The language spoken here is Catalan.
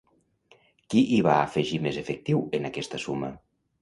Qui hi va afegir més efectiu en aquesta suma?